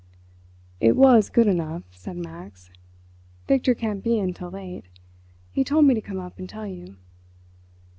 "It was good enough," said Max. "Victor can't be in till late. He told me to come up and tell you."